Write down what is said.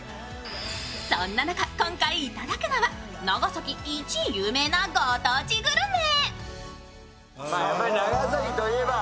そんな中、今回頂くのは長崎一有名なご当地グルメ。